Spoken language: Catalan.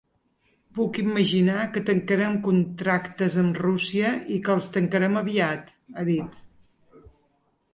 “Puc imaginar que tancarem contractes amb Rússia, i que els tancarem aviat”, ha dit.